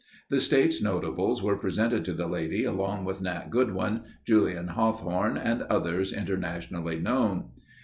The state's notables were presented to the lady along with Nat Goodwin, Julian Hawthorne, and others internationally known.